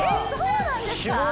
そうなんですか？